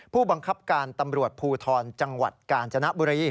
ผู้บังคับการตำรวจภูทรจังหวัดกาญจนบุรี